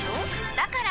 だから！